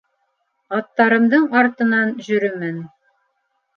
Аттарымдың артынан жөрөмен.